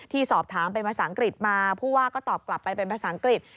สอบถามเป็นภาษาอังกฤษมาผู้ว่าก็ตอบกลับไปเป็นภาษาอังกฤษ